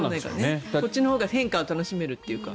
こっちのほうが変化を楽しめるというか。